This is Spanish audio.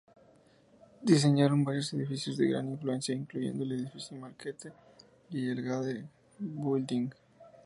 Diseñaron varios edificios de gran influencia, incluyendo el Edificio Marquette y el Gage Building.